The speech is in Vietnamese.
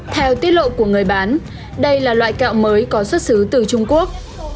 theo tiết lộ của người bán đây là loại kẹo mới có xuất xứ từ trung quốc